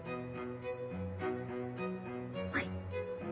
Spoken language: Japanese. はい。